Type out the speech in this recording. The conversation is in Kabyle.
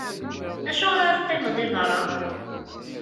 Acuɣeṛ ara teqqimeḍ di beṛṛa?